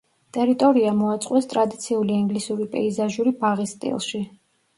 ტერიტორია მოაწყვეს ტრადიციული ინგლისური პეიზაჟური ბაღის სტილში.